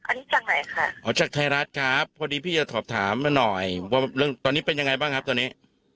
อันนี้จากไหนค่ะอ๋อจากไทยรัฐครับพอดีพี่จะสอบถามมาหน่อยว่าเรื่องตอนนี้เป็นยังไงบ้างครับตอนนี้